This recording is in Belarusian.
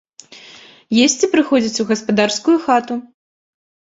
Есці прыходзяць у гаспадарскую хату.